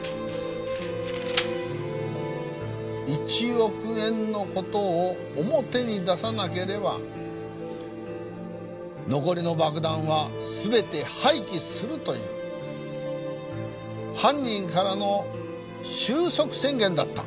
１億円の事を表に出さなければ残りの爆弾は全て廃棄するという犯人からの終息宣言だった。